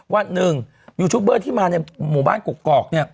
ว่าหนึ่งยูทูปเบอร์ที่มาในหมู่บ้านกกกอก